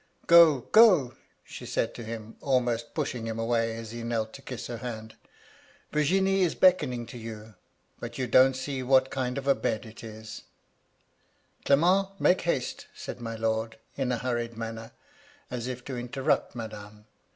*'*Go, go I' she said to him, almost pushing him away as he knelt to kiss her hand. • Virginie is beckoning to you, but you don't see what kind of a bed it is '"* Clement, make haste !' said my lord, in a hurried manner, as if to interrupt madame.